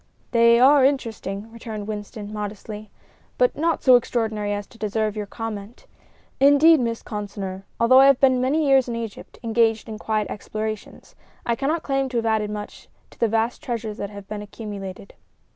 "They are interesting," returned Winston, modestly, "but not so extraordinary as to deserve your comment. Indeed, Miss Consinor, although I have been many years in Egypt, engaged in quiet explorations, I cannot claim to have added much to the vast treasures that have been accumulated."